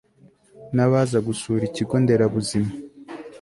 nabaza gusura Ikigo Nderabuzima